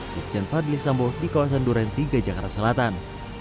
brigjen fadli sambuh di kawasan duren tiga jakarta selatan